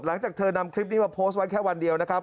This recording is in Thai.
หลังจากเธอนำคลิปนี้มาโพสต์ไว้แค่วันเดียวนะครับ